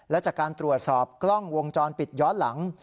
และจากการตรวจสอบกล้องวงจรปิดย้อนหลัง